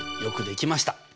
よくできました！